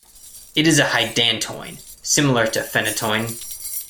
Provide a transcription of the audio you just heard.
It is a hydantoin, similar to phenytoin.